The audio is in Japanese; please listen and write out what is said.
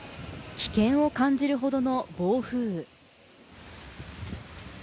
危険を感じるほどの暴風雨。